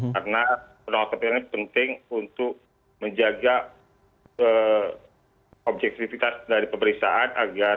karena penolakan pelaku penting untuk menjaga objektifitas dari pemeriksaan